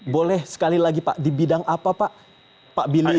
boleh sekali lagi pak di bidang apa pak billy